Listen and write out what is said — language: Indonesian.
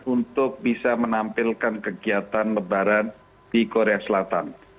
untuk bisa menampilkan kegiatan lebaran di korea selatan